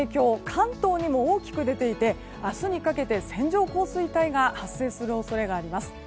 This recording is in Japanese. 関東にも大きく出ていて明日にかけて線状降水帯が発生する恐れがあります。